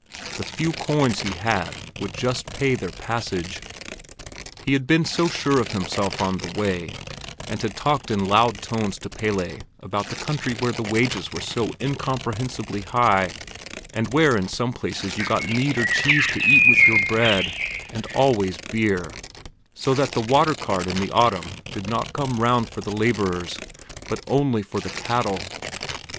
The few coins he had would just pay their passage. He had been so sure of himself on the way, and had talked in loud tones to Pelle about the country where the wages were so incomprehensibly high, and where in some places you got meat or cheese to eat with your bread, and always beer, so that the water cart in the autumn did not come round for the laborers, but only for the cattle.